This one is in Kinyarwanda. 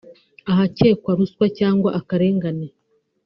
ahakekwa ruswa cyangwa akarengane